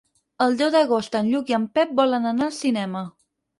El deu d'agost en Lluc i en Pep volen anar al cinema.